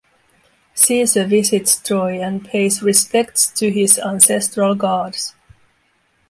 Caesar visits Troy and pays respects to his ancestral gods.